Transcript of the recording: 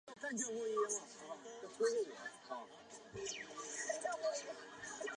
比埃什河畔阿普尔人口变化图示